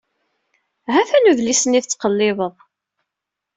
Hatan udlis-nni tettqellibeḍ.